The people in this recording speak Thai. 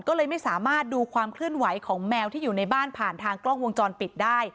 ก็เลยไม่สามารถดูความเคลื่อนไหวของแมวที่อยู่ในบ้านผ่านทางกล้องวงจรปิดได้